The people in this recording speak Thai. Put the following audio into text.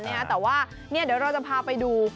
เนี่ยเดี๋ยวเราจะพาไปดู